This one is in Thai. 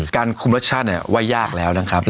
การคุมรสชาติว่ายากแล้วนะครับ